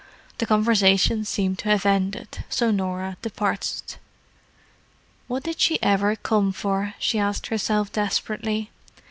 The conversation seemed to have ended, so Norah departed. "What did she ever come for?" she asked herself desperately.